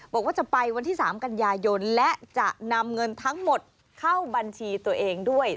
บอกว่าจะไปวันที่๓กันยายนและจะนำเงินทั้งหมดเข้าบัญชีตัวเองด้วย